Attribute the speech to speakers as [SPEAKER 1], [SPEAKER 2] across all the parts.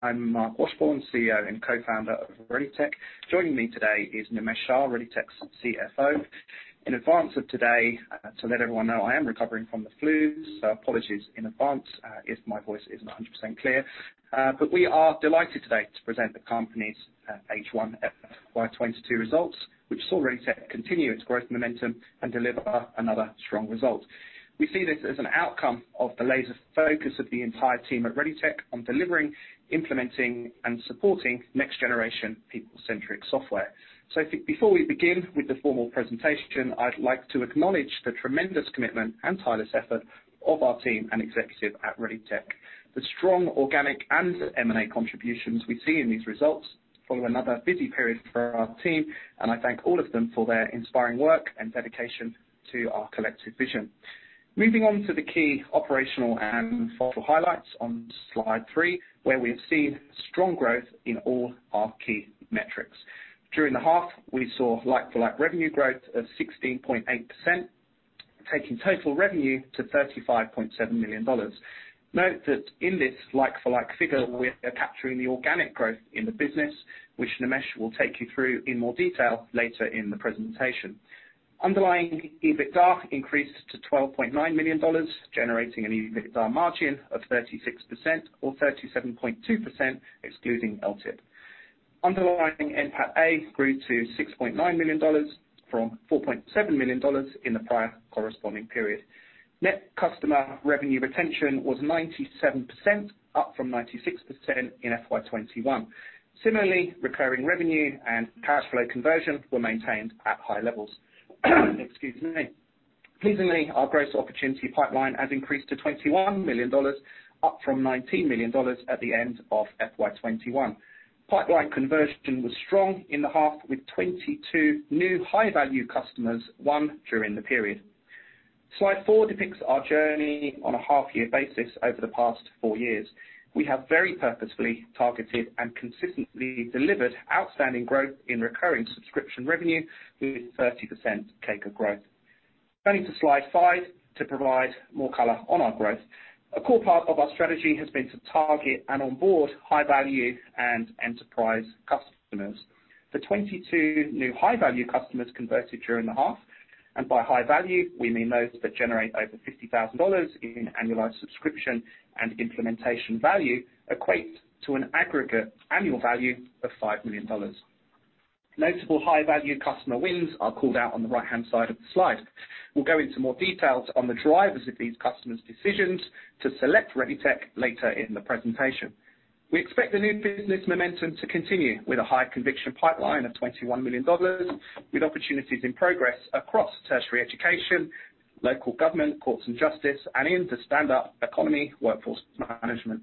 [SPEAKER 1] I'm Marc Washbourne, CEO and co-founder of ReadyTech. Joining me today is Nimesh Shah, ReadyTech's CFO. In advance of today, to let everyone know I am recovering from the flu, so apologies in advance, if my voice isn't 100% clear. We are delighted today to present the company's H1 FY 2022 results, which saw ReadyTech continue its growth momentum and deliver another strong result. We see this as an outcome of the laser focus of the entire team at ReadyTech on delivering, implementing, and supporting next-generation people-centric software. Before we begin with the formal presentation, I'd like to acknowledge the tremendous commitment and tireless effort of our team and executive at ReadyTech. The strong organic and M&A contributions we see in these results follow another busy period for our team, and I thank all of them for their inspiring work and dedication to our collective vision. Moving on to the key operational and financial highlights on Slide three, where we have seen strong growth in all our key metrics. During the half, we saw like-for-like revenue growth of 16.8%, taking total revenue to 35.7 million dollars. Note that in this like-for-like figure, we are capturing the organic growth in the business, which Nimesh will take you through in more detail later in the presentation. Underlying EBITDA increased to 12.9 million dollars, generating an EBITDA margin of 36% or 37.2% excluding LTIP. Underlying NPAT A grew to 6.9 million dollars from 4.7 million dollars in the prior corresponding period. Net customer revenue retention was 97%, up from 96% in FY 2021. Similarly, recurring revenue and cash flow conversion were maintained at high levels. Excuse me. Pleasingly, our gross opportunity pipeline has increased to 21 million dollars up from 19 million dollars at the end of FY 2021. Pipeline conversion was strong in the half with 22 new high-value customers won during the period. Slide four depicts our journey on a half year basis over the past four years. We have very purposefully targeted and consistently delivered outstanding growth in recurring subscription revenue with a 30% CAGR growth. Turning to Slide five to provide more color on our growth. A core part of our strategy has been to target and onboard high-value and enterprise customers. The 22 new high-value customers converted during the half, and by high value we mean those that generate over 50,000 dollars in annualized subscription and implementation value equates to an aggregate annual value of 5 million dollars. Notable high-value customer wins are called out on the right-hand side of the Slide. We'll go into more details on the drivers of these customers' decisions to select ReadyTech later in the presentation. We expect the new business momentum to continue with a high conviction pipeline of 21 million dollars with opportunities in progress across tertiary education, local government, courts and justice, and in the stand-up economy, workforce management.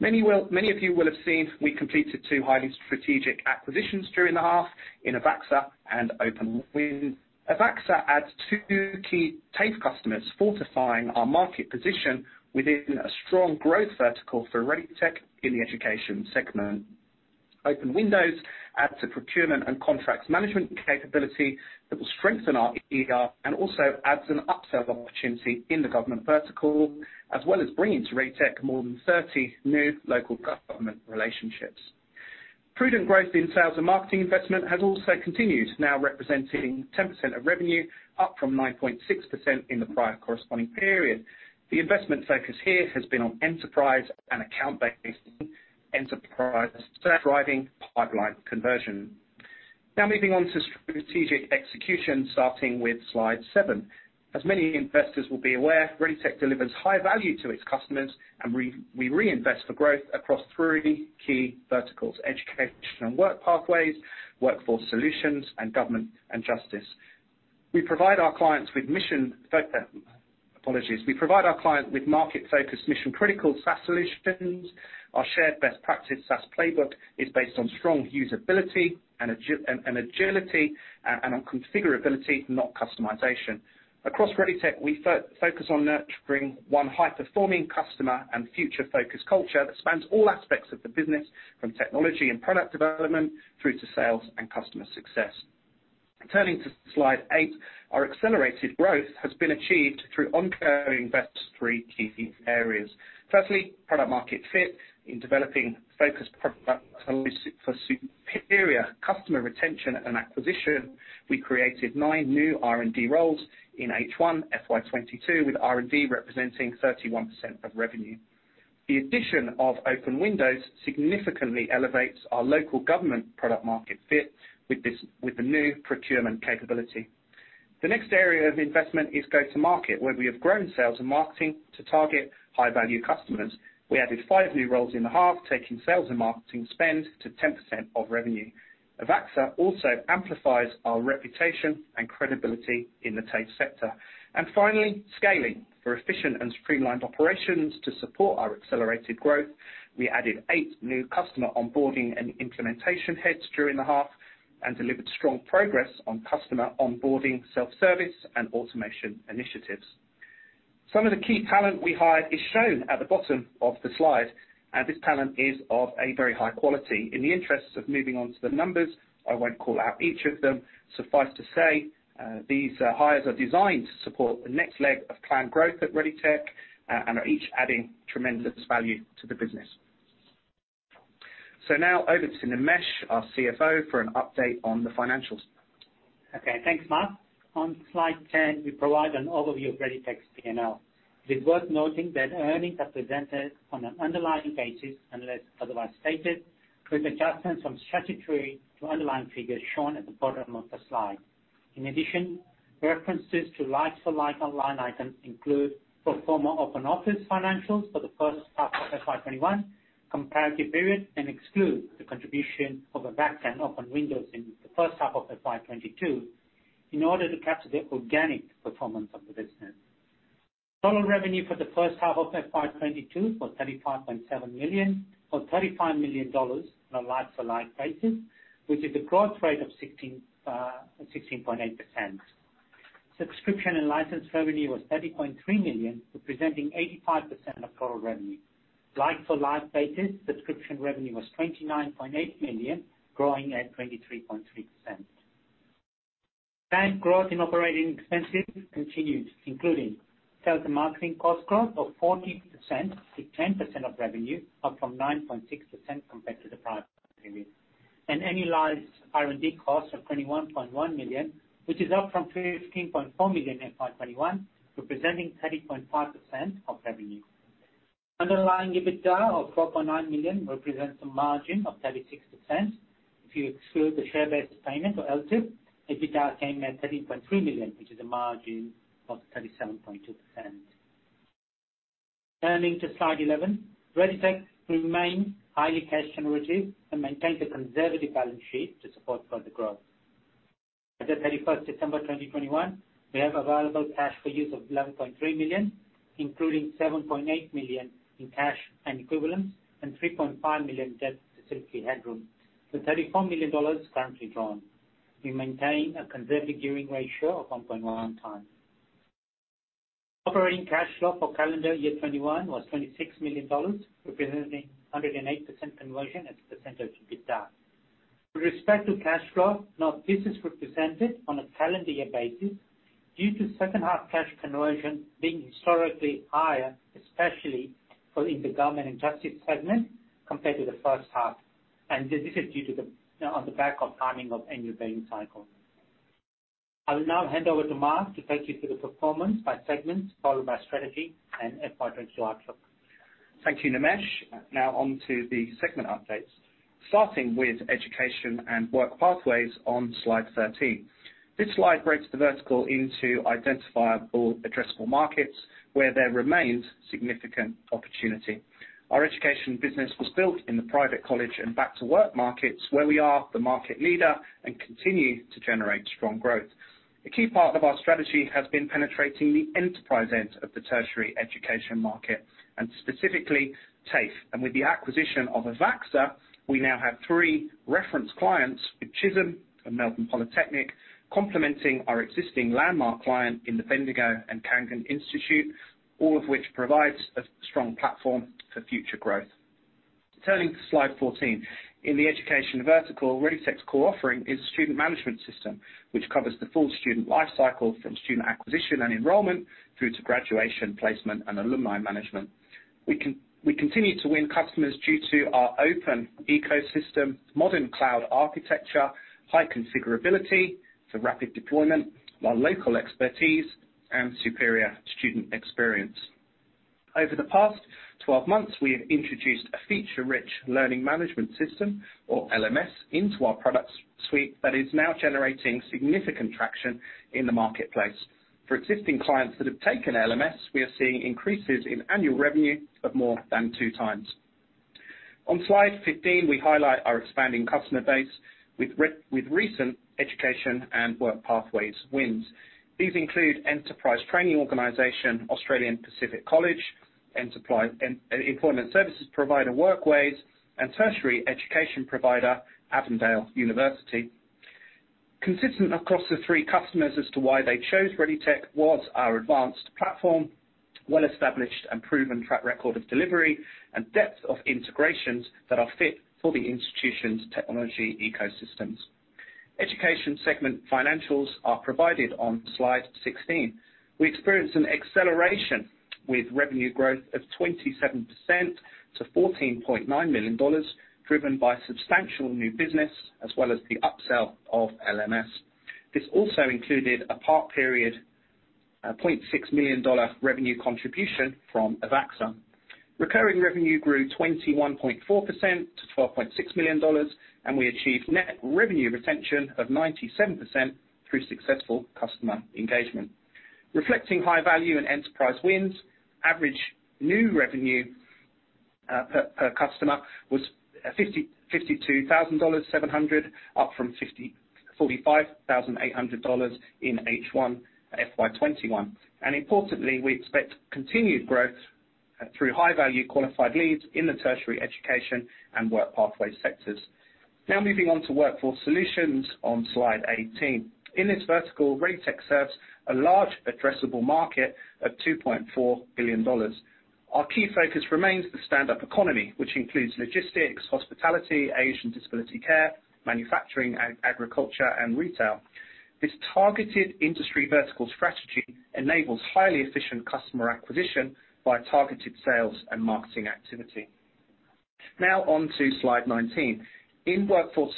[SPEAKER 1] Many of you will have seen we completed two highly strategic acquisitions during the half in Avaxa and OpenWindows. Avaxa adds two key TAFE customers, fortifying our market position within a strong growth vertical for ReadyTech in the education segment. Open Windows adds a procurement and contracts management capability that will strengthen our ERP, and also adds an upsell opportunity in the government vertical, as well as bringing to ReadyTech more than 30 new local government relationships. Prudent growth in sales and marketing investment has also continued, now representing 10% of revenue, up from 9.6% in the prior corresponding period. The investment focus here has been on enterprise and account-based enterprise, driving pipeline conversion. Now moving on to strategic execution, starting with Slide seven. As many investors will be aware, ReadyTech delivers high value to its customers and we reinvest for growth across three key verticals: education and work pathways, workforce solutions, and government and justice. We provide our clients with market-focused mission-critical SaaS solutions. Our shared best practice SaaS playbook is based on strong usability and agility and on configurability, not customization. Across ReadyTech, we focus on nurturing one high-performing customer and future-focused culture that spans all aspects of the business, from technology and product development through to sales and customer success. Turning to Slide eight. Our accelerated growth has been achieved through ongoing investments in three key areas. Firstly, product market fit. In developing focused product solutions for superior customer retention and acquisition, we created nine new R&D roles in H1 FY 2022, with R&D representing 31% of revenue. The addition of Open Windows significantly elevates our local government product market fit with the new procurement capability. The next area of investment is go to market, where we have grown sales and marketing to target high-value customers. We added five new roles in the half, taking sales and marketing spend to 10% of revenue. Avaxa also amplifies our reputation and credibility in the TAFE sector. Finally, scaling. For efficient and streamlined operations to support our accelerated growth, we added eight new customer onboarding and implementation heads during the half and delivered strong progress on customer onboarding, self-service, and automation initiatives. Some of the key talent we hired is shown at the bottom of the Slide, and this talent is of a very high quality. In the interests of moving on to the numbers, I won't call out each of them. Suffice to say, these hires are designed to support the next leg of planned growth at ReadyTech, and are each adding tremendous value to the business. Now over to Nimesh, our CFO, for an update on the financials.
[SPEAKER 2] Okay. Thanks, Marc. On Slide 10, we provide an overview of ReadyTech's P&L. It is worth noting that earnings are presented on an underlying basis unless otherwise stated, with adjustments from statutory to underlying figures shown at the bottom of the Slide. In addition, references to like-for-like online items include pro forma Open Office financials for the first half of FY 2021 comparative period and exclude the contribution of a backend Open Windows in the first half of FY 2022 in order to capture the organic performance of the business. Total revenue for the first half of FY 2022 was 35.7 million, or AUD 35 million on a like-for-like basis, which is a growth rate of 16.8%. Subscription and license revenue was 30.3 million, representing 85% of total revenue. like-for-like basis, subscription revenue was 29.8 million, growing at 23.3%. Strong growth in operating expenses continued, including sales and marketing cost growth of 40% to 10% of revenue, up from 9.6% compared to the prior and annualized R&D costs of 21.1 million, which is up from 13.4 million in FY 2021, representing 30.5% of revenue. Underlying EBITDA of 4.9 million represents a margin of 36%. If you exclude the share-based payment for L2, EBITDA came at 13.3 million, which is a margin of 37.2%. Turning to Slide 11. ReadyTech remains highly cash generative and maintains a conservative balance sheet to support further growth. As at 31 December 2021, we have available cash for use of 11.3 million, including 7.8 million in cash and equivalents, and 3.5 million debt facility headroom, with AUD 34 million currently drawn. We maintain a conservative gearing ratio of 1.1 times. Operating cash flow for calendar year 2021 was 26 million dollars, representing 108% conversion as a percent of EBITDA. With respect to cash flow, this is represented on a calendar year basis due to second half cash conversion being historically higher, especially in the government and justice segment, compared to the first half. This is due to the, on the back of, timing of annual billing cycle. I will now hand over to Marc to take you through the performance by segment, followed by strategy and FY 2022 outlook.
[SPEAKER 1] Thank you, Nimesh. Now on to the segment updates, starting with Education and Work Pathways on Slide 13. This Slide breaks the vertical into identifiable addressable markets where there remains significant opportunity. Our education business was built in the private college and back to work markets, where we are the market leader and continue to generate strong growth. A key part of our strategy has been penetrating the enterprise end of the tertiary education market and specifically TAFE. With the acquisition of Avaxa, we now have three reference clients with Chisholm and Melbourne Polytechnic complementing our existing landmark client in the Bendigo Kangan Institute, all of which provides a strong platform for future growth. Turning to Slide 14. In the education vertical, ReadyTech's core offering is a student management system, which covers the full student life cycle from student acquisition and enrollment through to graduation, placement, and alumni management. We continue to win customers due to our open ecosystem, modern cloud architecture, high configurability for rapid deployment, our local expertise, and superior student experience. Over the past 12 months, we have introduced a feature-rich learning management system, or LMS, into our product suite that is now generating significant traction in the marketplace. For existing clients that have taken LMS, we are seeing increases in annual revenue of more than two times. On Slide 15, we highlight our expanding customer base with recent education and work pathways wins. These include enterprise training organization, Australian Pacific College, employment services provider Workways, and tertiary education provider, Avondale University. Consistent across the three customers as to why they chose ReadyTech was our advanced platform, well-established and proven track record of delivery, and depth of integrations that are fit for the institution's technology ecosystems. Education segment financials are provided on Slide 16. We experienced an acceleration with revenue growth of 27% to 14.9 million dollars driven by substantial new business as well as the upsell of LMS. This also included a part period point six million dollar revenue contribution from Avaxa. Recurring revenue grew 21.4% to 12.6 million dollars, and we achieved net revenue retention of 97% through successful customer engagement. Reflecting high value and enterprise wins, average new revenue per customer was 52,700 dollars, up from 45,800 dollars in H1 FY 2021. Importantly, we expect continued growth through high value qualified leads in the tertiary education and work pathway sectors. Now moving on to Workforce Solutions on Slide 18. In this vertical, ReadyTech serves a large addressable market of 2.4 billion dollars. Our key focus remains the standup economy, which includes logistics, hospitality, aged and disability care, manufacturing, agriculture, and retail. This targeted industry vertical strategy enables highly efficient customer acquisition by targeted sales and marketing activity. Now on to Slide 19. In Workforce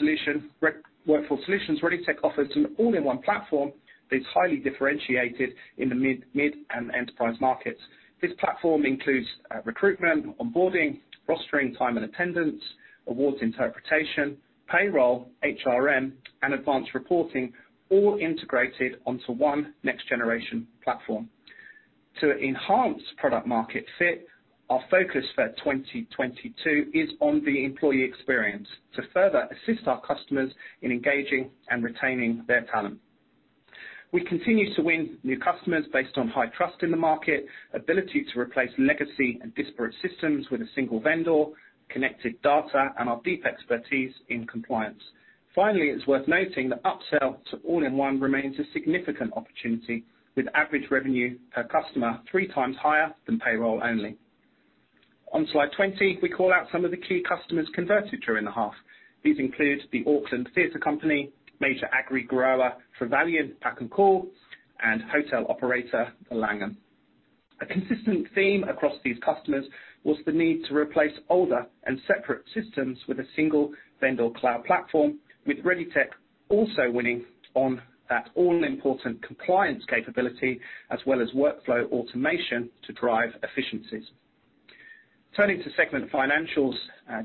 [SPEAKER 1] Solutions, ReadyTech offers an all-in-one platform that is highly differentiated in the mid and enterprise markets. This platform includes recruitment, onboarding, rostering, time and attendance, awards interpretation, payroll, HRM, and advanced reporting, all integrated onto one next generation platform. To enhance product market fit, our focus for 2022 is on the employee experience to further assist our customers in engaging and retaining their talent. We continue to win new customers based on high trust in the market, ability to replace legacy and disparate systems with a single vendor, connected data, and our deep expertise in compliance. Finally, it's worth noting that upsell to all-in-one remains a significant opportunity, with average revenue per customer three times higher than payroll only. On Slide 20, we call out some of the key customers converted during the half. These include the Auckland Theatre Company, major agri grower, Trevelyan's Pack and Cool, and hotel operator, Langham Hospitality Group. A consistent theme across these customers was the need to replace older and separate systems with a single vendor cloud platform, with ReadyTech also winning on that all important compliance capability as well as workflow automation to drive efficiencies. Turning to segment financials,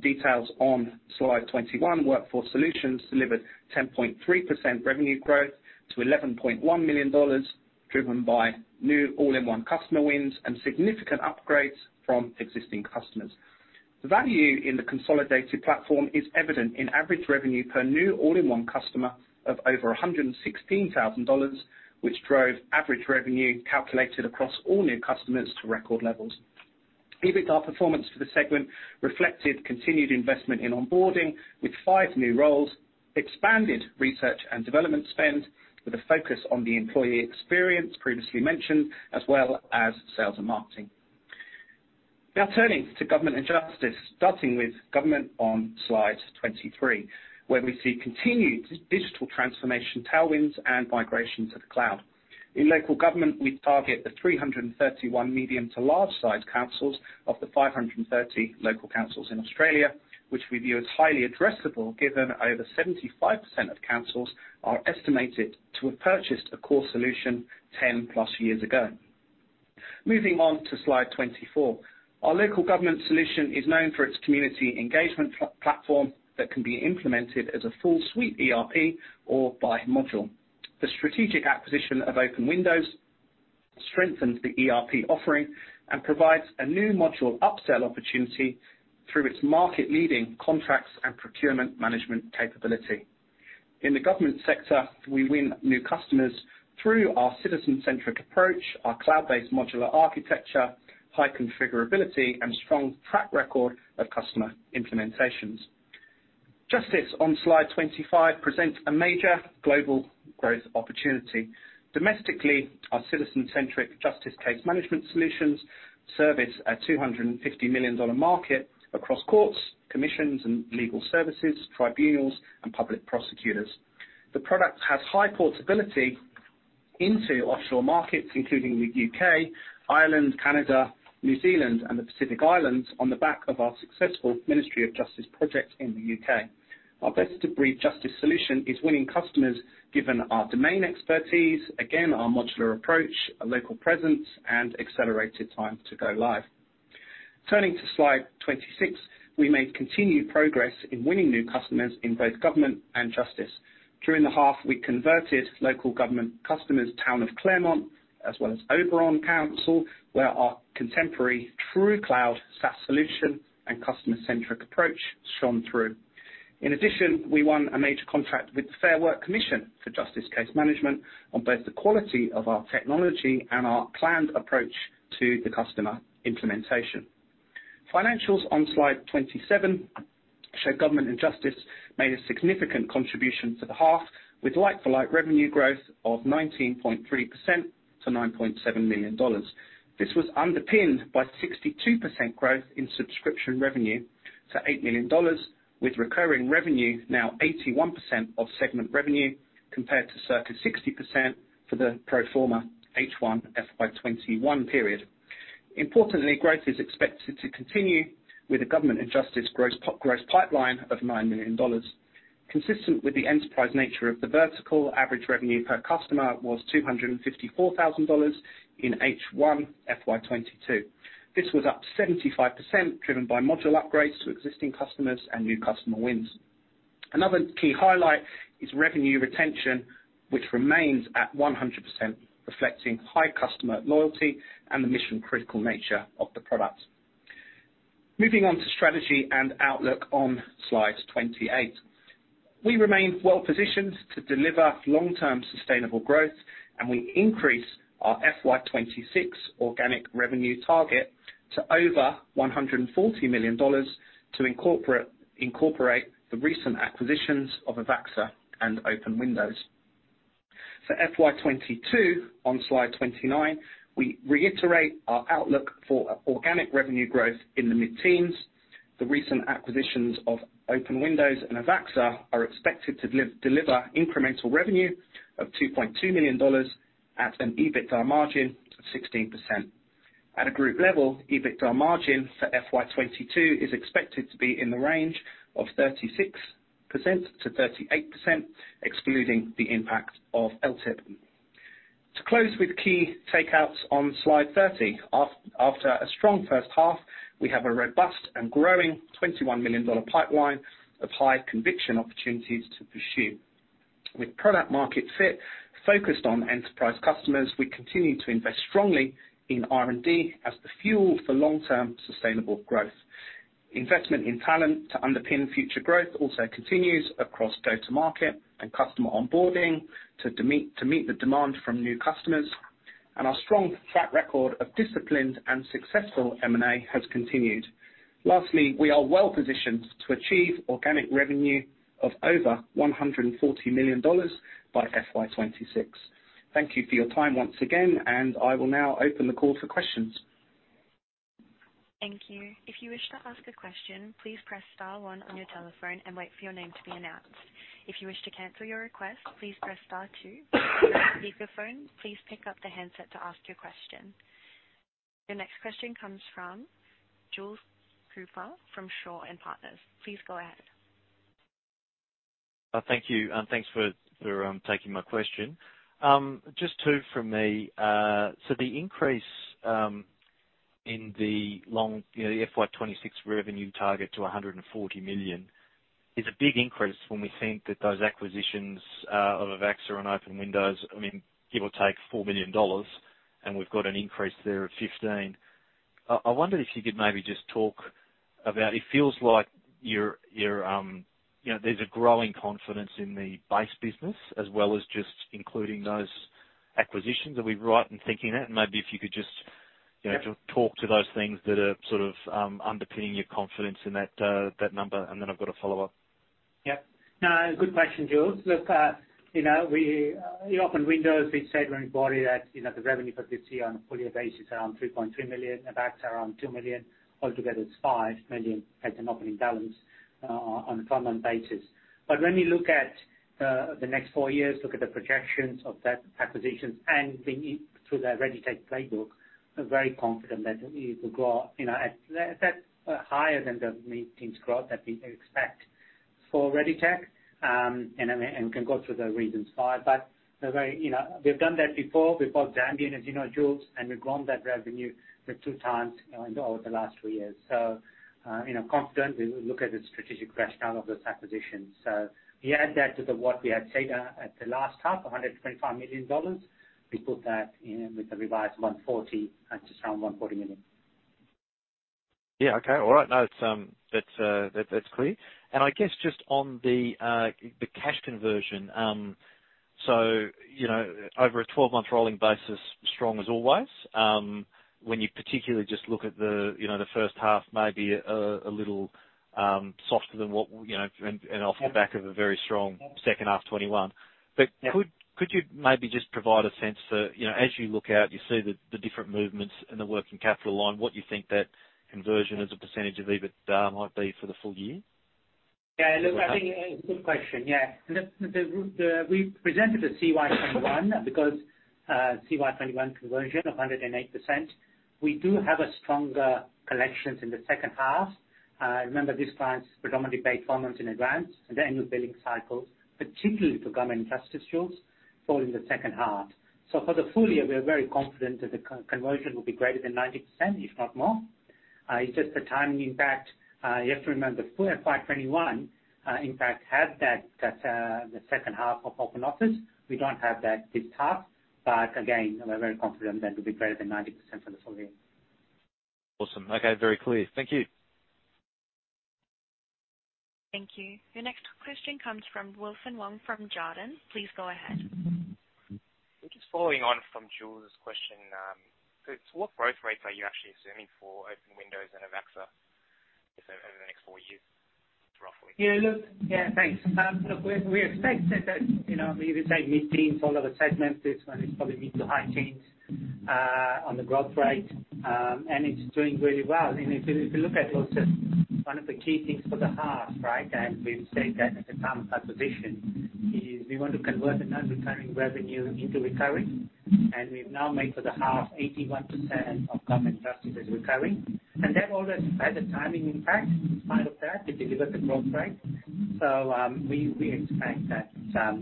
[SPEAKER 1] details on Slide 21, Workforce Solutions delivered 10.3% revenue growth to 11.1 million dollars, driven by new all-in-one customer wins and significant upgrades from existing customers. The value in the consolidated platform is evident in average revenue per new all-in-one customer of over 116,000 dollars, which drove average revenue calculated across all new customers to record levels. EBITDA performance for the segment reflected continued investment in onboarding, with five new roles, expanded research and development spend with a focus on the employee experience previously mentioned, as well as sales and marketing. Now turning to government and justice, starting with government on Slide 23, where we see continued digital transformation tailwinds and migration to the cloud. In local government, we target the 331 medium to large size councils of the 530 local councils in Australia, which we view as highly addressable, given over 75% of councils are estimated to have purchased a core solution 10+ years ago. Moving on to Slide 24. Our local government solution is known for its community engagement platform that can be implemented as a full suite ERP or by module. The strategic acquisition of Open Windows strengthens the ERP offering and provides a new module upsell opportunity through its market-leading contracts and procurement management capability. In the government sector, we win new customers through our citizen-centric approach, our cloud-based modular architecture, high configurability, and strong track record of customer implementations. Justice on Slide 25 presents a major global growth opportunity. Domestically, our citizen-centric justice case management solutions service a 250 million dollar market across courts, commissions and legal services, tribunals, and public prosecutors. The product has high portability into offshore markets, including the U.K., Ireland, Canada, New Zealand, and the Pacific Islands on the back of our successful Ministry of Justice project in the U.K. Our best-of-breed justice solution is winning customers, given our domain expertise, again, our modular approach, our local presence, and accelerated time to go live. Turning to Slide 26. We made continued progress in winning new customers in both government and justice. During the half, we converted local government customers, Town of Claremont, as well as Oberon Council, where our contemporary true cloud SaaS solution and customer-centric approach shone through. In addition, we won a major contract with the Fair Work Commission for justice case management on both the quality of our technology and our planned approach to the customer implementation. Financials on Slide 27 show government and justice made a significant contribution to the half with like-for-like revenue growth of 19.3% to 9.7 million dollars. This was underpinned by 62% growth in subscription revenue to 8 million dollars, with recurring revenue now 81% of segment revenue, compared to circa 60% for the pro forma H1 FY 2021 period. Importantly, growth is expected to continue with the government and justice growth pipeline of 9 million dollars. Consistent with the enterprise nature of the vertical, average revenue per customer was 254,000 dollars in H1 FY 2022. This was up 75%, driven by module upgrades to existing customers and new customer wins. Another key highlight is revenue retention, which remains at 100%, reflecting high customer loyalty and the mission-critical nature of the product. Moving on to strategy and outlook on Slide 28. We remain well positioned to deliver long-term sustainable growth, and we increase our FY 2026 organic revenue target to over 140 million dollars to incorporate the recent acquisitions of Avaxa and Open Windows. For FY 2022, on Slide 29, we reiterate our outlook for organic revenue growth in the mid-teens.
[SPEAKER 2] The recent acquisitions of Open Windows and Avaxa are expected to deliver incremental revenue of 2.2 million dollars at an EBITDA margin of 16%. At a group level, EBITDA margin for FY 2022 is expected to be in the range of 36%-38%, excluding the impact of LTIP. To close with key takeouts on Slide 30. After a strong first half, we have a robust and growing 21 million dollar pipeline of high conviction opportunities to pursue. With product market fit focused on enterprise customers, we continue to invest strongly in R&D as the fuel for long-term sustainable growth. Investment in talent to underpin future growth also continues across go-to-market and customer onboarding to meet the demand from new customers. Our strong track record of disciplined and successful M&A has continued. Lastly, we are well-positioned to achieve organic revenue of over 140 million dollars by FY 2026. Thank you for your time once again, and I will now open the call for questions.
[SPEAKER 3] Thank you. If you wish to ask a question, please press Star one on your telephone and wait for your name to be announced. If you wish to cancel your request, please press Star two. If you leave your phone, please pick up the handset to ask your question. Your next question comes from Jules Cooper from Shaw and Partners. Please go ahead.
[SPEAKER 4] Thank you, and thanks for taking my question. Just two from me. So the increase, you know, in the FY 2026 revenue target to 140 million is a big increase when we think that those acquisitions of Avaxa and OpenWindows, I mean, give or take 4 million dollars, and we've got an increase there of 15 million. I wonder if you could maybe just talk about it. It feels like you're, you know, there's a growing confidence in the base business as well as just including those acquisitions. Are we right in thinking that? Maybe if you could just, you know,
[SPEAKER 2] Yeah.
[SPEAKER 4] Just talk to those things that are sort of underpinning your confidence in that number, and then I've got a follow-up.
[SPEAKER 2] No, good question, Jules. Look, you know, we said in Open Windows, when we bought it, you know, the revenue for this year on a full year basis around 3.3 million. Avaxa around 2 million. Altogether it's 5 million as an opening balance, you know, on a pro forma basis. When we look at the next four years, look at the projections of those acquisitions and through the ReadyTech playbook, we're very confident that it will grow, you know, at least higher than the mid-teens% growth that we expect for ReadyTech. And I can go through the reasons why, but very, you know. We've done that before. We bought Zambion, as you know, Jules, and we've grown that revenue two times in, you know, the last two years. You know, confident we look at the strategic rationale of those acquisitions. We add that to what we had said at the last half, 125 million dollars. We put that in with the revised 140 at just around 140 million.
[SPEAKER 4] Yeah. Okay. All right. No, it's that that's clear. I guess just on the cash conversion, so you know, over a 12-month rolling basis, strong as always. When you particularly just look at the you know, the first half, maybe a little softer than what you know, and off the back of a very strong second half 2021.
[SPEAKER 2] Yeah.
[SPEAKER 4] Could you maybe just provide a sense for, you know, as you look out, you see the different movements in the working capital line, what you think that conversion as a percentage of EBITDA might be for the full year?
[SPEAKER 2] Yeah. Look, I think a good question, yeah. We presented the CY 2021 because CY 2021 cash conversion of 108%, we do have a stronger collections in the second half. Remember these clients predominantly pay in advance, and their annual billing cycles, particularly for government justice users, fall in the second half. For the full year, we are very confident that the cash conversion will be greater than 90%, if not more. It's just the timing impact. You have to remember full FY 2021, in fact, had that, the second half of Open Office. We don't have that this half. Again, we're very confident that it'll be greater than 90% for this whole year.
[SPEAKER 4] Awesome. Okay. Very clear. Thank you.
[SPEAKER 3] Thank you. Your next question comes from Wilson Wong from Jarden. Please go ahead.
[SPEAKER 5] Just following on from Jules' question, so what growth rates are you actually assuming for Open Windows and Avaxa, so over the next four years, roughly?
[SPEAKER 2] Thanks. Look, we expect that, you know, if you take mid-teens, all of the segments is, it's probably mid- to high-teens on the growth rate. It's doing really well. If you also look at one of the key things for the half, right, and we've said that at the time of acquisition, is we want to convert the non-recurring revenue into recurring. We've now made for the half 81% of government treated as recurring. That already has a timing impact in spite of that to deliver the growth rate. We expect that,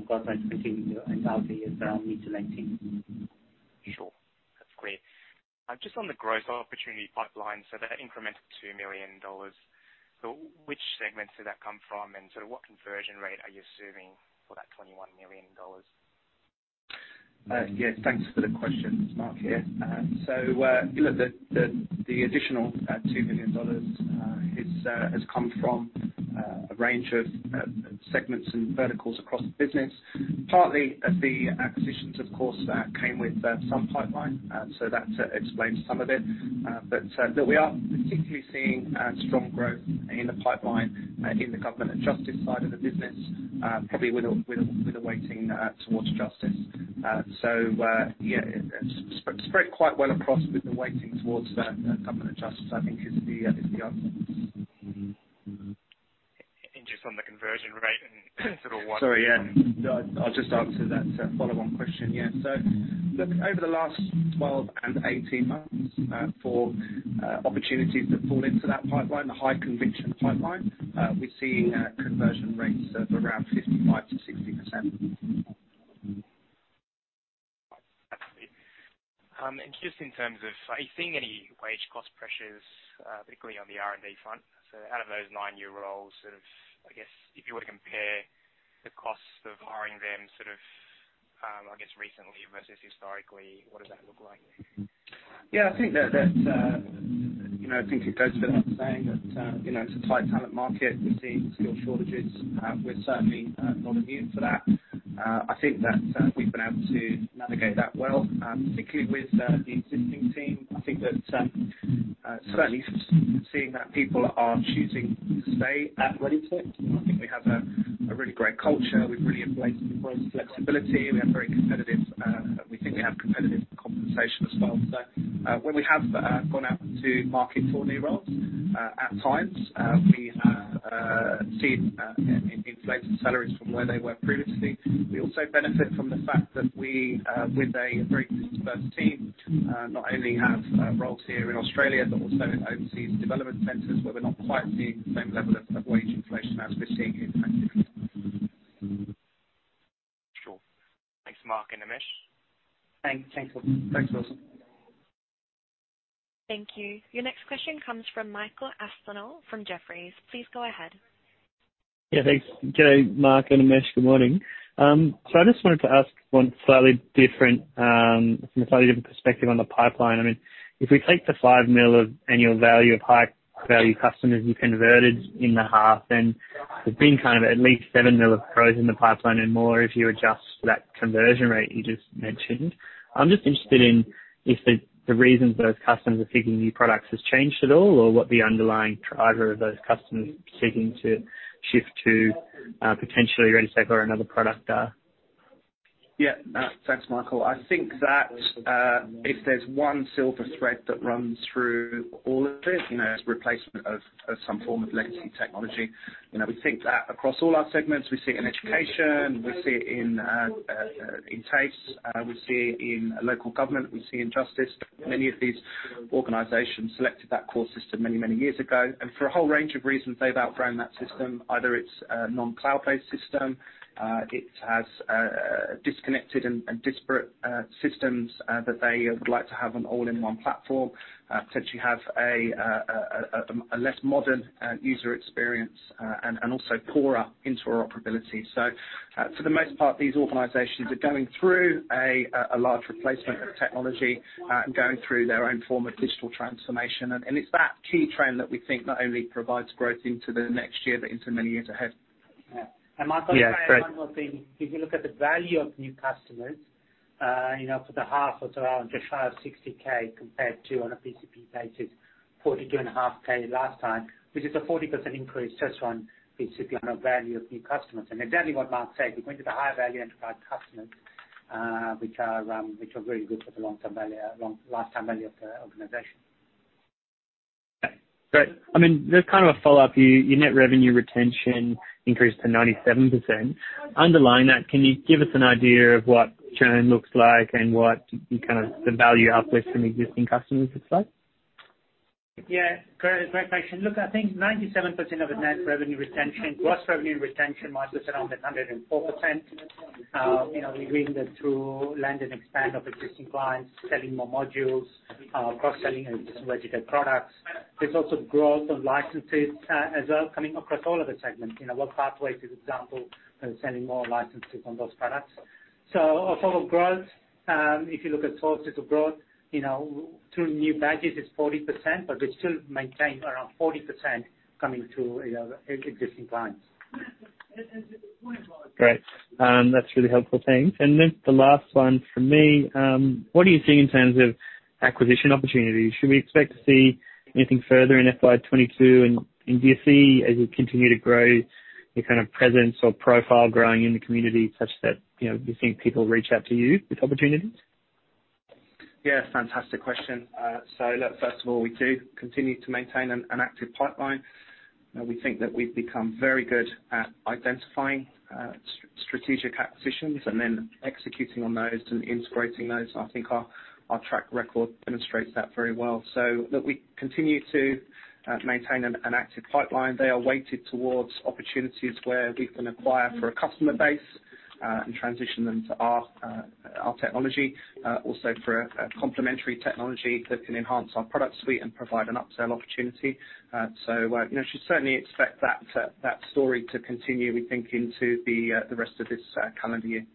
[SPEAKER 2] government to continue to, and will be around mid- to late-teens.
[SPEAKER 5] Sure. That's clear. Just on the growth opportunity pipeline, that incremental 2 million dollars. Which segments did that come from, and sort of what conversion rate are you assuming for that 21 million dollars?
[SPEAKER 1] Yeah. Thanks for the question. Mark here. You know, the additional 2 million dollars has come from a range of segments and verticals across the business, partly as the acquisitions of course that came with some pipeline. That explains some of it. Look, we are particularly seeing strong growth in the pipeline in the government and justice side of the business, probably with a weighting towards justice. Yeah. It's Spread quite well across with the weighting towards the government adjustments, I think is the answer. Just on the conversion rate and sort of what Sorry, yeah. No, I'll just answer that follow-on question. Yeah. Look, over the last 12 and 18 months, for opportunities that fall into that pipeline, the high conviction pipeline, we're seeing conversion rates of around 55%-60%.
[SPEAKER 5] Absolutely. And just in terms of are you seeing any wage cost pressures, particularly on the R&D front? Out of those nine new roles, sort of, I guess, if you were to compare the costs of hiring them, sort of, I guess recently versus historically, what does that look like?
[SPEAKER 1] Yeah, I think that you know, I think it goes without saying that you know, it's a tight talent market. We're seeing skill shortages. We're certainly not immune to that. I think that we've been able to navigate that well, particularly with the existing team. I think that certainly seeing that people are choosing to stay at ReadyTech, I think we have a really great culture. We've really embraced flexibility. We have very competitive. We think we have competitive compensation as well. When we have gone out to market for new roles, at times, we have seen inflated salaries from where they were previously. We also benefit from the fact that we, with a very dispersed team, not only have roles here in Australia, but also in overseas development centers, where we're not quite seeing the same level of wage inflation as we're seeing in
[SPEAKER 5] Sure. Thanks, Marc and Nimesh.
[SPEAKER 1] Thanks.
[SPEAKER 2] Thanks.
[SPEAKER 3] Thank you. Your next question comes from Michael Aspinall from Jefferies. Please go ahead.
[SPEAKER 6] Yeah, thanks. G'day, Marc and Nimesh, good morning. So I just wanted to ask one slightly different from a slightly different perspective on the pipeline. I mean, if we take the 5 million of annual value of high-value customers you converted in the half, then there's been kind of at least 7 million of growth in the pipeline and more if you adjust for that conversion rate you just mentioned. I'm just interested in if the reasons those customers are seeking new products has changed at all, or what the underlying driver of those customers seeking to shift to potentially ReadyTech or another product are.
[SPEAKER 1] Yeah. Thanks, Michael. I think that if there's one silver thread that runs through all of this, you know, is replacement of some form of legacy technology. You know, we think that across all our segments, we see it in education, we see it in TAFEs, we see it in local government, we see it in justice. Many of these organizations selected that core system many years ago, and for a whole range of reasons, they've outgrown that system. Either it's a non-cloud-based system, it has disconnected and disparate systems that they would like to have an all-in-one platform. Potentially have a less modern user experience, and also poorer interoperability. For the most part, these organizations are going through a large replacement of technology and going through their own form of digital transformation. It's that key trend that we think not only provides growth into the next year, but into many years ahead.
[SPEAKER 6] Yeah. Great.
[SPEAKER 1] If you look at the value of new customers, you know, for the half was around just 560K compared to on a PCP basis, 42.5K last time, which is a 40% increase just basically on the value of new customers. Exactly what Mark said, we went to the higher value enterprise customers, which are very good for the long-term value, lifetime value of the organization.
[SPEAKER 6] Great. I mean, just kind of a follow-up. Your net revenue retention increased to 97%. Underlying that, can you give us an idea of what churn looks like and what kind of the value uplift from existing customers looks like?
[SPEAKER 1] Yeah. Great question. Look, I think 97% of the net revenue retention, gross revenue retention, Michael, is around 104%. You know, we're doing that through land and expand of existing clients, selling more modules, cross-selling strategic products. There's also growth on licenses, as well coming across all of the segments. You know, Workways, for example, selling more licenses on those products. Overall growth, if you look at sources of growth, you know, through new badges is 40%, but we still maintain around 40% coming through, you know, existing clients.
[SPEAKER 6] Great. That's really helpful. Thanks. The last one from me, what are you seeing in terms of acquisition opportunities? Should we expect to see anything further in FY 2022, and do you see, as you continue to grow, your kind of presence or profile growing in the community such that, you know, you're seeing people reach out to you with opportunities?
[SPEAKER 1] Yeah, fantastic question. Look, first of all, we do continue to maintain an active pipeline. We think that we've become very good at identifying strategic acquisitions and then executing on those and integrating those. I think our track record demonstrates that very well. Look, we continue to maintain an active pipeline. They are weighted towards opportunities where we can acquire for a customer base and transition them to our technology. Also for a complementary technology that can enhance our product suite and provide an upsell opportunity. You know, you should certainly expect that story to continue, we think, into the rest of this calendar year.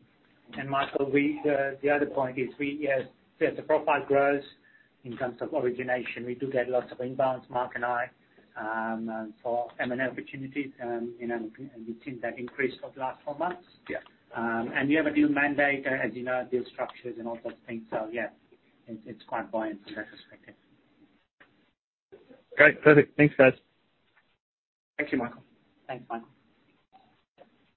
[SPEAKER 2] Michael, the other point is, as the profile grows in terms of origination, we do get lots of inbounds, Mark and I, for M&A opportunities. You know, we've seen that increase over the last four months.
[SPEAKER 6] Yeah.
[SPEAKER 2] We have a new mandate, as you know, deal structures and all those things. Yeah, it's quite buoyant from that perspective.
[SPEAKER 6] Great. Perfect. Thanks, guys.
[SPEAKER 1] Thank you, Michael.
[SPEAKER 2] Thanks, Michael.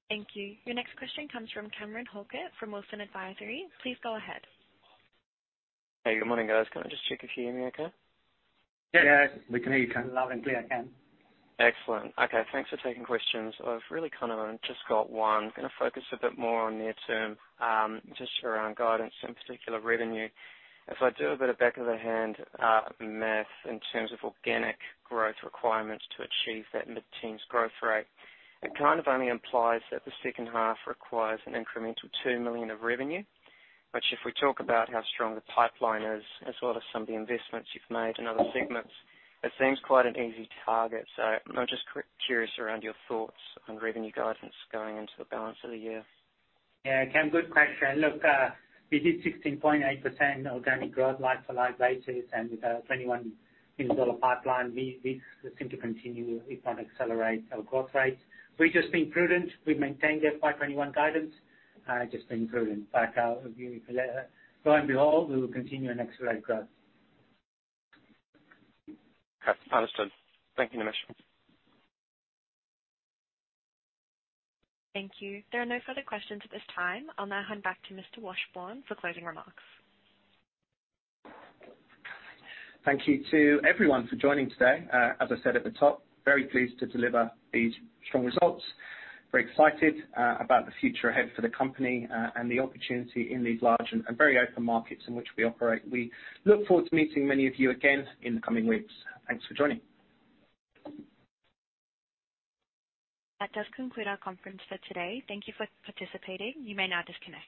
[SPEAKER 3] Thank you. Your next question comes from Cameron Halkett from Wilsons Advisory. Please go ahead.
[SPEAKER 7] Hey, good morning, guys. Can I just check if you hear me okay?
[SPEAKER 1] Yeah.
[SPEAKER 2] Yeah.
[SPEAKER 1] We can hear you, Cameron.
[SPEAKER 2] Loud and clear, Cam.
[SPEAKER 7] Excellent. Okay. Thanks for taking questions. I've really kind of just got one. Gonna focus a bit more on near term, just around guidance, in particular revenue. If I do a bit of back-of-the-envelope math in terms of organic growth requirements to achieve that mid-teens growth rate, it kind of only implies that the second half requires an incremental 2 million of revenue. Which if we talk about how strong the pipeline is, as well as some of the investments you've made in other segments, it seems quite an easy target. So I'm just curious around your thoughts on revenue guidance going into the balance of the year.
[SPEAKER 2] Yeah. Cam, good question. Look, we did 16.8% organic growth like-for-like basis and with our 21 million solar pipeline, we seem to continue if not accelerate our growth rates. We've just been prudent. We've maintained the FY 2021 guidance, just been prudent. We'll review it later, lo and behold, we will continue to accelerate growth.
[SPEAKER 7] Understood. Thank you, Nimesh.
[SPEAKER 3] Thank you. There are no further questions at this time. I'll now hand back to Mr. Washbourne for closing remarks.
[SPEAKER 1] Thank you to everyone for joining today. As I said at the top, very pleased to deliver these strong results. Very excited about the future ahead for the company and the opportunity in these large and very open markets in which we operate. We look forward to meeting many of you again in the coming weeks. Thanks for joining.
[SPEAKER 3] That does conclude our conference for today. Thank you for participating. You may now disconnect.